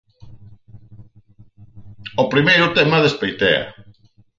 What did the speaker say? O primeiro tema despeitea.